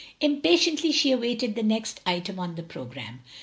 Impatiently she awaited the next item on the programme.